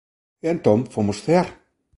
E entón fomos cear".